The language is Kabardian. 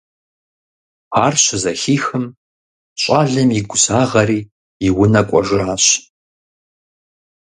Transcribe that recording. Ар щызэхихым, щӏалэм игу загъэри, и унэ кӀуэжащ.